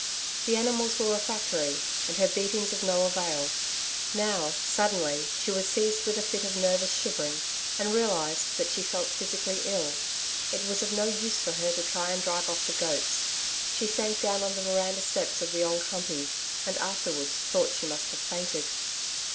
The animals were refractory, and her beatings of no avail. Now, suddenly, she was seized with a fit of nervous shivering and realised that she felt physically ill. It was of no use for her to try and drive off the goats. She sank down on the veranda steps of the Old Humpey, and afterwards thought she must have fainted.